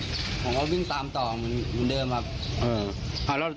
ผมก็บิงตามต่อเผลอผมก็บิงตามต่อ